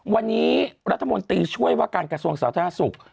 วันนี้รัฐมนตรีช่วยว่าการกระทรวงสาธารณสุข